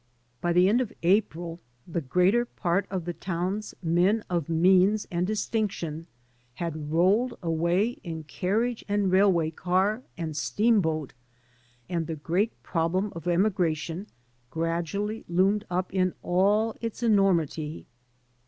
By the end of April the greater part of the. town's men of means and distinction had rolled away in carriage and railway car and steamboat, and the great problem of emigration gradually loomed up in all its enormity.